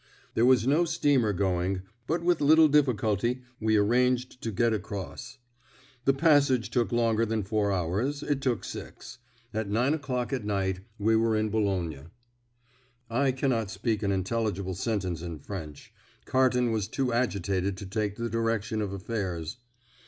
There was no steamer going, but with little difficulty we arranged to get across. The passage took longer than four hours it took six. At nine o'clock at night we were in Boulogne. I cannot speak an intelligible sentence in French. Carton was too agitated to take the direction of affairs.